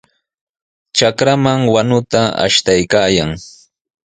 Trakraman wanuta ashtaykaayan.